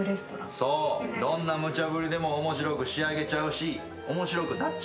そうどんな無茶ぶりでも面白く仕上げちゃうし面白くなっちゃうのよ。